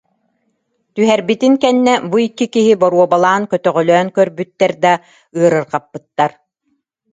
Түһэрбитин кэннэ бу икки киһи боруобалаан көтөҕөлөөн көрбүттэр да, ыарырҕаппыттар